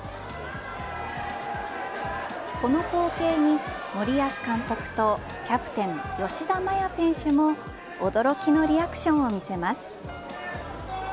この光景に森保監督とキャプテン、吉田麻也選手も驚きのリアクションを見せます。